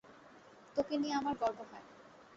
তোকে নিয়ে আমার গর্ব হয়।